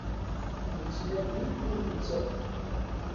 Nettnadi ur nettaf.